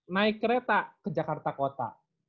naik kereta ke jakarta kota